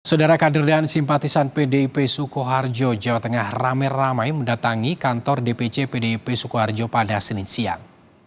saudara kader dan simpatisan pdip sukoharjo jawa tengah ramai ramai mendatangi kantor dpc pdip sukoharjo pada senin siang